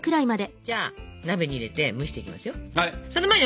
じゃあ鍋に入れて蒸していきますよ。